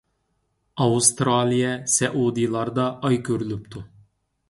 ئاۋسترالىيە، سەئۇدىلاردا ئاي كۆرۈلۈپتۇ.